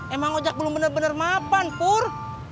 emang ojak belum bener bener mapan pur